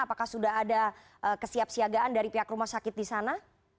apakah sudah ada kesiapsiagaan dari pihak rumah sakit di sana